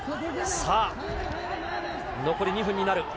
さあ、残り２分になる。